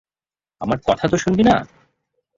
আমার কথা তো শুনবি না?